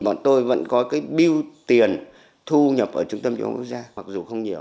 bọn tôi vẫn có cái biêu tiền thu nhập ở trung tâm chủ yếu quốc gia mặc dù không nhiều